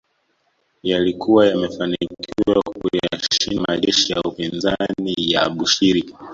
Yalikuwa yamefanikiwa kuyashinda majeshi ya upinzani ya Abushiri